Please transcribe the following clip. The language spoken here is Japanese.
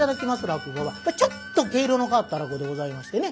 落語はちょっと毛色の変わった落語でございましてね